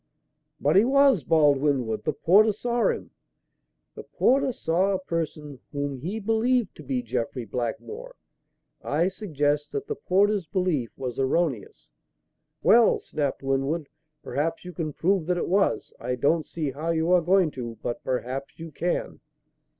"But he was!" bawled Winwood. "The porter saw him!" "The porter saw a person whom he believed to be Jeffrey Blackmore. I suggest that the porter's belief was erroneous." "Well," snapped Winwood, "perhaps you can prove that it was. I don't see how you are going to; but perhaps you can."